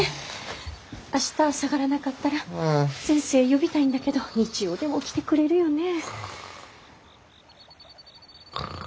明日下がらなかったら先生呼びたいんだけど日曜でも来てくれるよね。